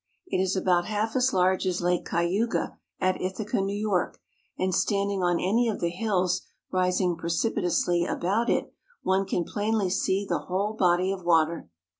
It is about half as large as Lake Cayuga, at Ithaca, New York, and standing on any of the hills rising precipitously about it one can plainly see the whole body of water.